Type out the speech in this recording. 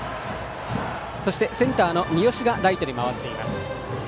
そしてセンターの三好がライトに回っています。